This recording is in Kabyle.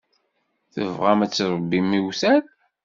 Tebɣam ad tṛebbim iwtal.